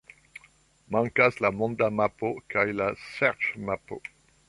Mankas la monda mapo kaj la serĉmapo.